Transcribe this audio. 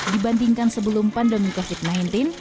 dibandingkan sebelum pandemi covid sembilan belas